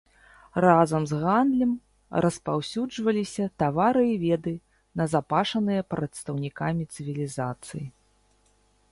Разам з гандлем распаўсюджваліся тавары і веды, назапашаныя прадстаўнікамі цывілізацыі.